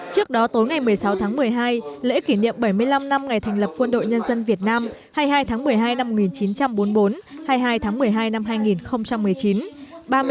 trước đó tối ngày một mươi sáu tháng một mươi hai lễ kỷ niệm bảy mươi năm năm ngày thành lập quân đội nhân dân việt nam hai mươi hai tháng một mươi hai năm một nghìn chín trăm bốn mươi bốn hai mươi hai tháng một mươi hai năm hai nghìn một mươi chín